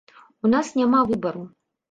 У нас няма выбару.